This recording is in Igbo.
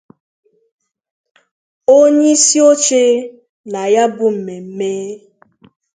onyeisi oche na ya bụ mmemme